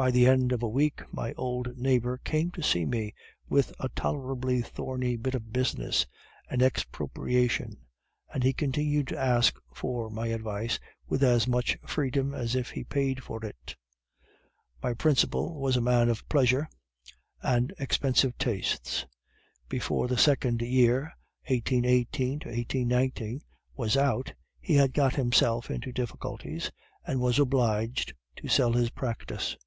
"By the end of a week my old neighbor came to see me with a tolerably thorny bit of business, an expropriation, and he continued to ask for my advice with as much freedom as if he paid for it. "My principal was a man of pleasure and expensive tastes; before the second year (1818 1819) was out he had got himself into difficulties, and was obliged to sell his practice.